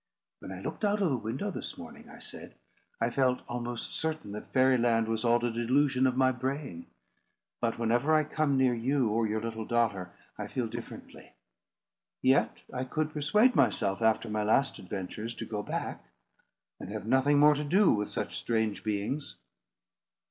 "When I looked out of the window this morning," I said, "I felt almost certain that Fairy Land was all a delusion of my brain; but whenever I come near you or your little daughter, I feel differently. Yet I could persuade myself, after my last adventures, to go back, and have nothing more to do with such strange beings."